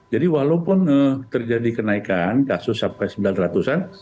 jadi walaupun terjadi kenaikan kasus sampai sembilan ratus an